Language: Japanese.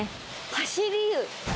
走り湯！